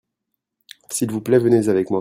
s'il vous plait venez avec moi.